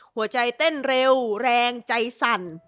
หัวใจเต้นเร็วแรงใจสั่น